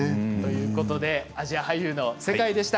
アジア俳優の世界でした。